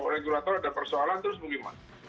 kalau regulator ada persoalan terus mungkin masuk